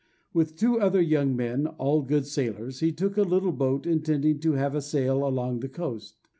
With two other young men, all good sailors, he took a little boat, intending to have a sail along the coast.